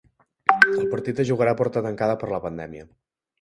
El partit es jugarà a porta tancada per la pandèmia.